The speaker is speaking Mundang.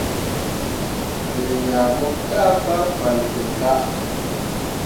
Me yah mo kah fahfalle ɓe kah.